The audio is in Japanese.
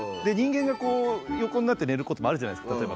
で人間がこう横になって寝ることもあるじゃないですか。